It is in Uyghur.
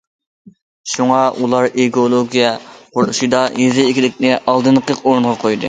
شۇڭا، ئۇلار ئېكولوگىيە قۇرۇلۇشىدا يېزا ئىگىلىكىنى ئالدىنقى ئورۇنغا قويدى.